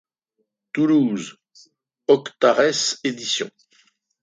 Toulouse: Octarès Editions.